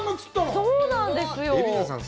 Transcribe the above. そうなんですよ。